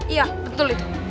iya betul itu